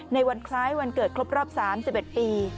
ในวันคล้ายวันเกิดครบรอบ๓๑ปี